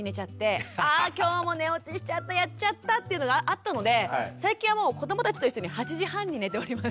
あ今日も寝落ちしちゃった「やっちゃった！」というのがあったので最近はもう子どもたちと一緒に８時半に寝ております。